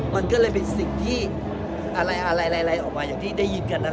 มันก็เลยเป็นสิ่งที่อะไรอะไรอะไรออกมาอย่างที่ได้ยินกันนั่นแหละ